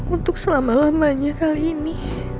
untuk selama lamanya kali ini